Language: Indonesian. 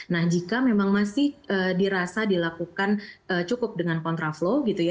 nah jika memang masih dirasa dilakukan cukup dengan kontraflow